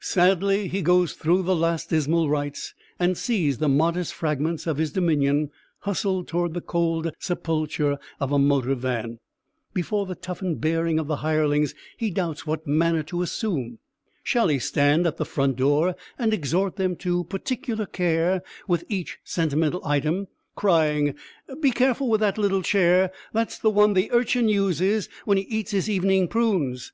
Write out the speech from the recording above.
Sadly he goes through the last dismal rites and sees the modest fragments of his dominion hustled toward the cold sepulture of a motor van. Before the toughened bearing of the hirelings he doubts what manner to assume. Shall he stand at the front door and exhort them to particular care with each sentimental item, crying "Be careful with that little chair; that's the one the Urchin uses when he eats his evening prunes!"